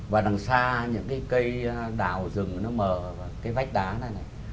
và đằng xa những cái cây đào rừng nó mờ và cái vách đá này này